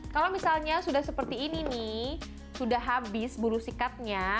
kalau misalnya sudah seperti ini nih sudah habis buru sikatnya